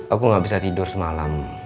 aku gak bisa tidur semalam